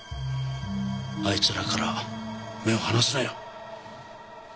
あいつらから目を離すなや！